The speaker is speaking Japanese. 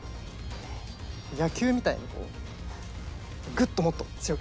野球みたいにこうグッともっと強く。